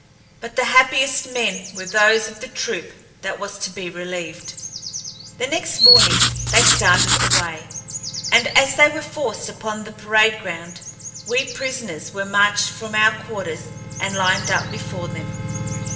But the happiest men were those of the troop that was to be relieved. The next morning they started away, and as they were forced upon the parade ground we prisoners were marched from our quarters and lined up before them.